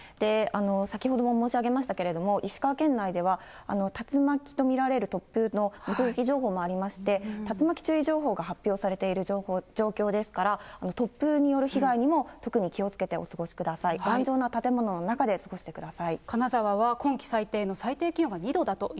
先ほども申し上げましたけれども、石川県内では竜巻と見られる突風の目撃情報もありまして、竜巻注意情報が発表されている状況ですから、突風による被害にも特に気をつけてお過ごしください。